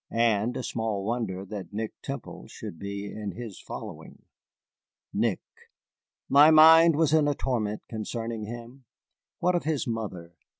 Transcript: And small wonder that Nick Temple should be in his following. Nick! My mind was in a torment concerning him. What of his mother?